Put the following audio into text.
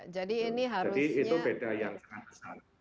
jadi itu beda yang sangat besar